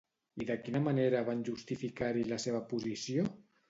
I de quina manera van justificar-hi la seva posició?